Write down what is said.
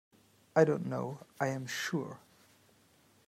I don't know, I am sure!